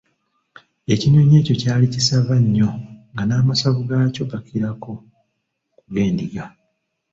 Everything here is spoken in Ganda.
Ekinyonyi ekyo ky'ali kisava nnyo, nga n'amasavu g'akyo gakirako ku g'endiga.